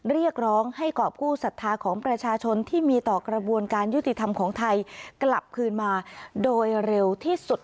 เรียกร้องให้กรอบกู้ศรัทธาของประชาชนที่มีต่อกระบวนการยุติธรรมของไทยกลับคืนมาโดยเร็วที่สุด